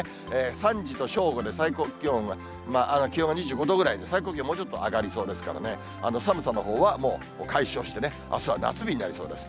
３時と正午で最高気温は気温が２５度ぐらい、最高気温、もうちょっと上がりそうですからね、寒さのほうはもう解消してね、あすは夏日になりそうです。